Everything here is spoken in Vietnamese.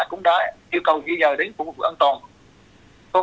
cũng đã yêu cầu dây dà đánh phú phục an toàn